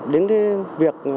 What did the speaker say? đến cái việc